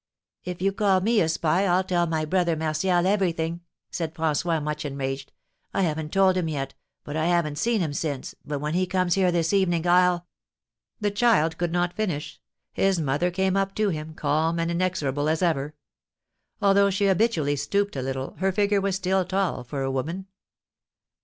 "If you call me a spy, I'll tell my brother Martial everything!" said François, much enraged. "I haven't told him yet, for I haven't seen him since; but, when he comes here this evening, I'll " The child could not finish; his mother came up to him, calm and inexorable as ever. Although she habitually stooped a little, her figure was still tall for a woman.